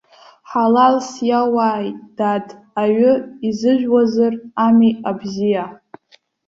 Ҳалалс иауааит, дад, аҩы изыжәуазар ами абзиа.